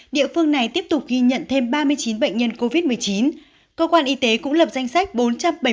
địa phương này tiếp tục ghi nhận thêm ba mươi chín bệnh nhân covid một mươi chín cơ quan y tế cũng lập danh sách